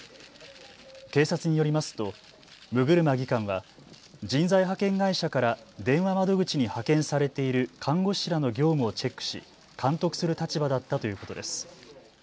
警察によりますと六車技官は人材派遣会社から電話窓口に派遣されている看護師らの業務をチェックし監督する立場だったということです。